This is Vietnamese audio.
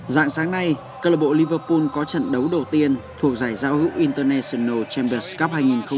dạng sáng nay club liverpool có trận đấu đầu tiên thuộc giải giao hữu international champions cup hai nghìn một mươi tám